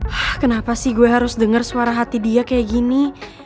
hah kenapa sih gue harus dengar suara hati dia kayak gini